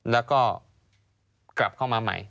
แล้วก็กลับเข้ามาใหม่